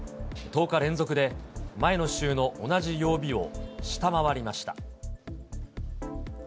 １０日連続で前の週の同じ曜日を下回りました。